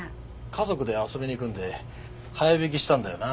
家族で遊びに行くんで早引きしたんだよな？